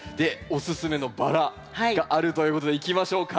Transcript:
おすすめのバラがあるということでいきましょうか。